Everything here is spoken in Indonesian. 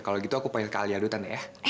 kalau gitu aku pengen ke alia dulu tante ya